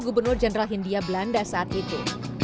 gubernur jenderal hindia belanda saat itu